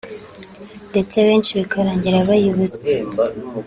ndetse benshi bikarangira bayibuze